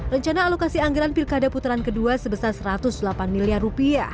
rencana alokasi anggaran pilkada putaran kedua sebesar rp satu ratus delapan miliar